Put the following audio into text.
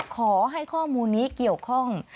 ขอให้ข้อมูลนี้เกี่ยวข้อง